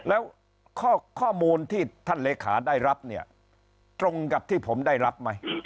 แล้วข้อมูลที่ท่านเลขาได้รับเนี่ยตรงกับที่ผมได้รับไหม